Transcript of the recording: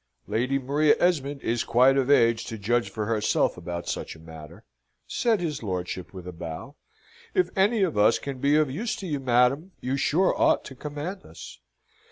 "Lady Maria Esmond is quite of age to judge for herself about such a matter," said his lordship, with a bow. "If any of us can be of use to you, madam, you sure ought to command us."